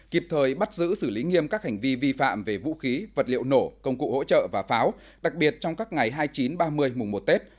kịp thời bắt giữ xử lý nghiêm các hành vi vi phạm về vũ khí vật liệu nổ công cụ hỗ trợ và pháo đặc biệt trong các ngày hai mươi chín ba mươi mùng một tết